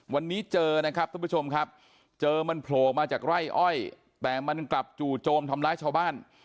วันนี้เจอนะครับทุกผู้ชมครับเจอมันโผล่มาจากไร่อ้อยแต่มันกลับจู่โจมทำร้ายชาวบ้าน